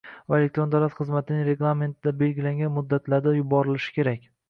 va elektron davlat xizmatining reglamentida belgilangan muddatlarda yuborilishi kerak.